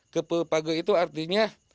ke pelpage itu artinya